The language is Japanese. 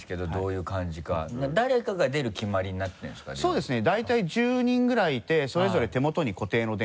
そうですね。